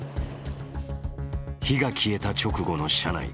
火が消えた直後の車内。